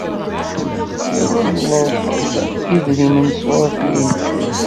Treḍḍleḍ-d idrimen sɣur Taninna.